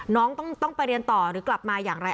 น้องต้องไปเรียนต่อหรือกลับมาอย่างไร